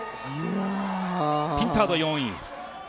ピンタード４位。